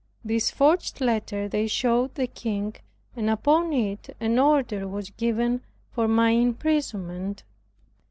This forged letter they showed the king, and upon it an order was given for my imprisonment.